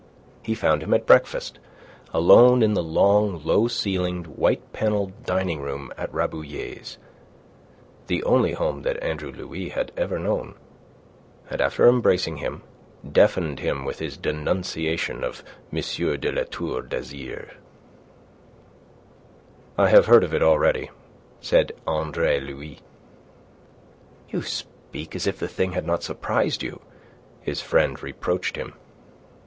He found him at breakfast alone in the long, low ceilinged, white panelled dining room at Rabouillet's the only home that Andre Louis had ever known and after embracing him, deafened him with his denunciation of M. de La Tour d'Azyr. "I have heard of it already," said Andre Louis. "You speak as if the thing had not surprised you," his friend reproached him.